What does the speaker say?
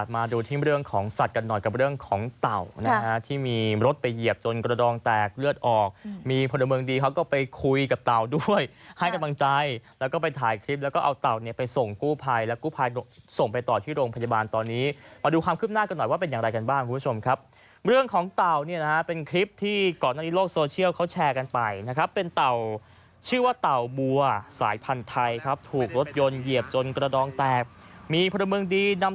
มาดูที่เรื่องของสัตว์กันหน่อยกับเรื่องของเต่านะฮะที่มีรถไปเหยียบจนกระดองแตกเลือดออกมีพลเมืองดีเขาก็ไปคุยกับเต่าด้วยให้กำลังใจแล้วก็ไปถ่ายคลิปแล้วก็เอาเต่าเนี้ยไปส่งกู้ภัยแล้วกูภัยส่งไปต่อที่โรงพยาบาลตอนนี้มาดูความขึ้นหน้ากันหน่อยว่าเป็นอย่างไรกันบ้างคุณผู้ชมครับเรื่องของเต่าเนี้ยนะ